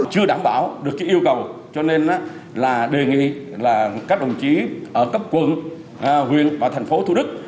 chưa đảm bảo được yêu cầu cho nên là đề nghị là các đồng chí ở cấp quận huyện và thành phố thủ đức